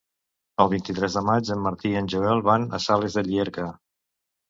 El vint-i-tres de maig en Martí i en Joel van a Sales de Llierca.